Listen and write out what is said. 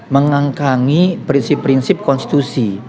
mengangkangi prinsip prinsip konstitusi